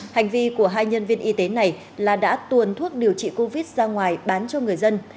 hành vi của hai nhân viên y tế này là đã tuồn thuốc điều trị covid ra ngoài bán cho người dân